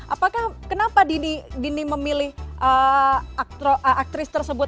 apakah kenapa dini memilih aktris tersebut